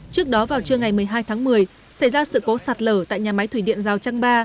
trước đó vào trưa ngày một mươi hai tháng một mươi xảy ra sự cố sạt lở tại nhà máy thủy điện giao trang ba